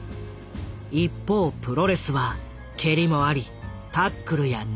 一方プロレスは蹴りもありタックルや寝技もある。